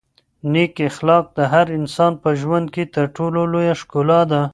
نېک اخلاق د هر انسان په ژوند کې تر ټولو لویه ښکلا ده.